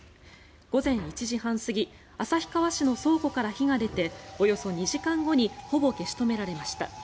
午前１時半過ぎ旭川市の倉庫から火が出ておよそ２時間後にほぼ消し止められました。